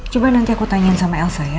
coba nanti aku tanyain sama elsa ya